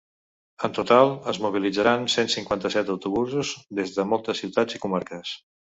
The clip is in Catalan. En total, es mobilitzaran cent cinquanta-set autobusos des de moltes ciutats i comarques.